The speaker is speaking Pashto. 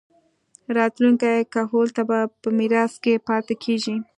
راتلونکي کهول ته پۀ ميراث کښې پاتې کيږي